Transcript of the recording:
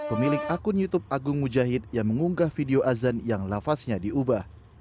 pemilik akun youtube agung mujahid yang mengunggah video azan yang lafaznya diubah